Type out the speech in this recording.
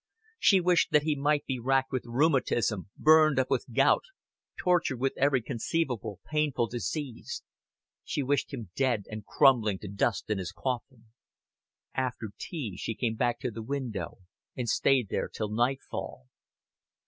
She wished that he might be racked with rheumatism, burned up with gout, tortured with every conceivable painful disease. She wished him dead and crumbling to dust in his coffin. After tea she came back to the window and stayed there till nightfall.